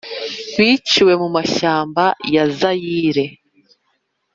biciwe mu mashyamba ya Zayire